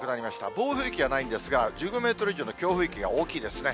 暴風域はないんですが、１５メートル以上の強風域が大きいですね。